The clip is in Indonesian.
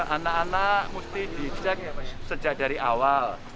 anak anak mesti dicek sejak dari awal